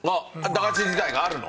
駄菓子自体があるの？